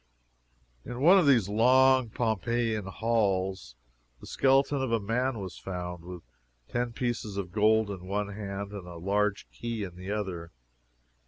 In one of these long Pompeiian halls the skeleton of a man was found, with ten pieces of gold in one hand and a large key in the other.